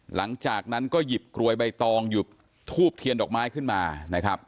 หลังจากนั้นก็หยิบกรวยใบตองหยิบทูบเทียนดอกไม้ขึ้นมานะครับ